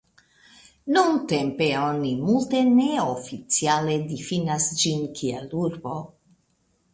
Nuntempe oni multe neoficiale difinas ĝin kiel urbo.